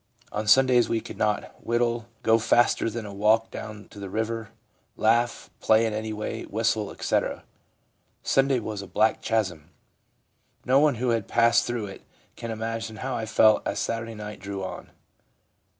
On Sundays we could not whittle, go faster than a walk, go down to the river, laugh, play in any way, whistle, etc. Sunday was a black chasm. No one who has not passed through it can imagine how I felt as Saturday night drew on.